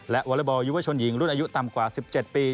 และวอเล็กบอลยุวชนหญิงรุ่นอายุต่ำกว่า๑๗ปี